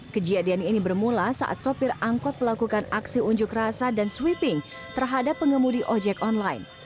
kejadian ini bermula saat sopir angkot melakukan aksi unjuk rasa dan sweeping terhadap pengemudi ojek online